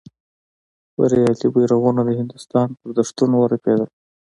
بریالي بیرغونه د هندوستان پر دښتونو ورپېدل.